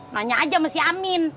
nanya aja sama si amin